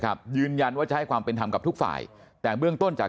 ยืนยันว่าจะให้ความเป็นธรรมกับทุกฝ่ายแต่เบื้องต้นจาก